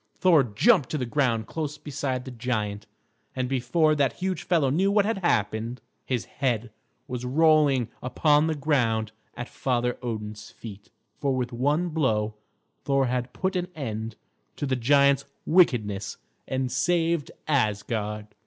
Thor jumped to the ground close beside the giant, and before that huge fellow knew what had happened, his head was rolling upon the ground at Father Odin's feet; for with one blow Thor had put an end to the giant's wickedness and had saved Asgard.